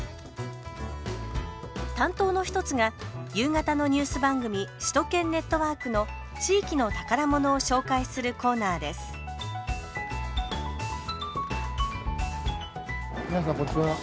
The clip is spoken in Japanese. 担当の一つが夕方のニュース番組「首都圏ネットワーク」の地域の宝物を紹介するコーナーですこんにちは。